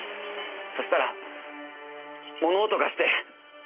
そしたら物音がして。